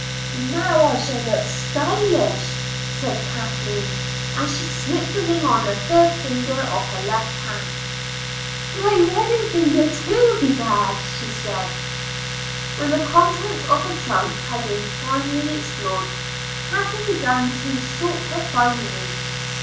"Now I shall look stylish," said Kathleen, and she slipped the ring on the third finger of her left hand. "My wedding finger too, bedad!" she said. When the contents of the trunk had been finally explored, Kathleen began to sort her finery.